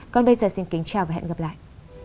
còn bây giờ xin kính chào và hẹn gặp lại